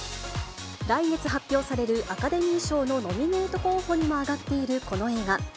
来月発表されるアカデミー賞のノミネート候補にも挙がっているこの映画。